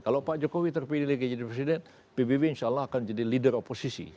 kalau pak jokowi terpilih lagi jadi presiden pbb insya allah akan jadi leader oposisi